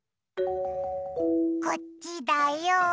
こっちだよ！